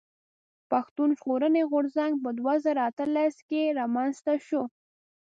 پښتون ژغورني غورځنګ په دوه زره اتلس کښي رامنځته شو.